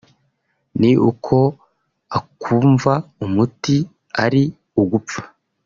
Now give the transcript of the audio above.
ni uko akumva umuti ari ugupfa